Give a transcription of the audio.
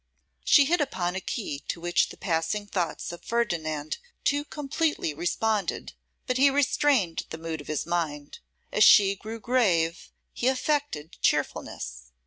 She hit upon a key to which the passing thoughts of Ferdinand too completely responded, but he restrained the mood of his mind. As she grew grave, he affected cheerfulness.